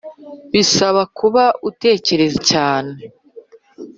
bisaba kuba utekereza cyane